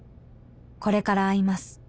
「これから会います」